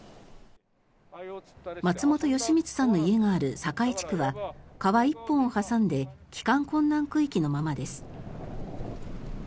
松本佳充さんの家がある酒井地区は川１本を挟んで帰還困難区域のままです。